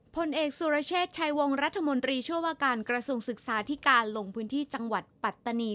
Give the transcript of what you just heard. ผลเอกสุรเชษฐ์ชัยวงรัฐมนตรีช่วยว่าการกระทรวงศึกษาที่การลงพื้นที่จังหวัดปัตตานี